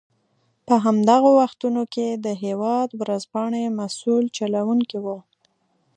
په همدغو وختونو کې د هېواد ورځپاڼې مسوول چلوونکی و.